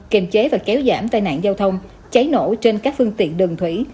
kiềm chế và kéo giảm tai nạn giao thông cháy nổ trên các phương tiện đường thủy